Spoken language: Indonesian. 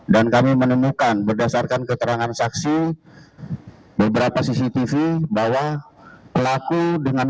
dan kami menemukan berdasarkan keterangan saksi beberapa cctv bahwa pelaku dengan